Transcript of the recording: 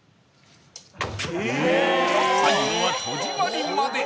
［最後は戸締まりまで］